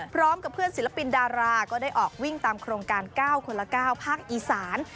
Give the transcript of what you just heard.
พร้อมกับเพื่อนศิลปินดาราก็ได้ออกวิ่งตามโครงการ๙คนละ๙ภาคอีสาน